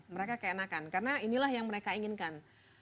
mereka keenakan karena inilah yang mereka inginkan